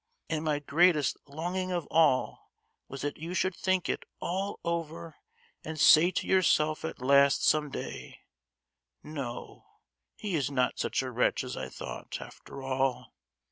And my greatest longing of all was that you should think it all over and say to yourself at last some day, 'No, he is not such a wretch as I thought, after all!